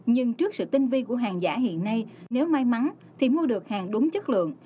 nhưng trước sự tinh vi của hàng giả hiện nay nếu may mắn thì mua được hàng đúng chất lượng